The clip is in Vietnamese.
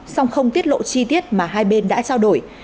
song không tiết lộ chi tiết mà hai bên đã trao đổi